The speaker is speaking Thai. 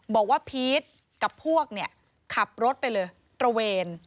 บอกว่าพีทกับพวกขับรถไปเลยตระเวน